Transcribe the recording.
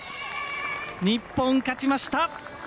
日本勝ちました。